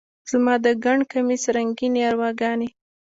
زما د ګنډ کمیس رنګینې ارواګانې،